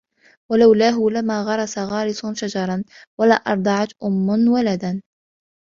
وَلَوْلَاهُ لَمَا غَرَسَ غَارِسٌ شَجَرًا وَلَا أَرْضَعَتْ أُمٌّ وَلَدًا